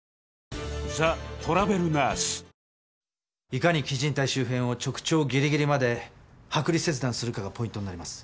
いかに基靭帯周辺を直腸ギリギリまで剥離切断するかがポイントになります。